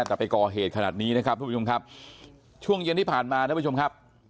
แต่ไปก่อเหตุขนาดนี้นะครับทุกผู้ชมครับช่วงเย็นที่ผ่านมาท่านผู้ชมครับ